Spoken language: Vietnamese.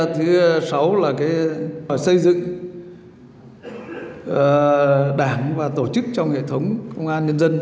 thứ sáu là xây dựng đảng và tổ chức trong hệ thống công an nhân dân